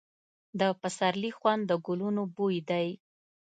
د پسرلي خوند د ګلونو بوی دی.